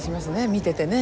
見ててね。